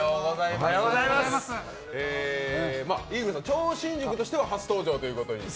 超新塾としては初登場ということに。